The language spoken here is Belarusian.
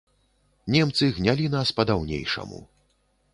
Немцы гнялі нас па-даўнейшаму.